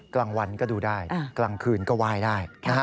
กลางวันก็ดูได้กลางคืนก็ไหว้ได้